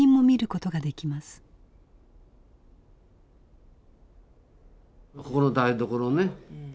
ここの台所ね。